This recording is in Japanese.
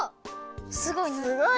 すごい！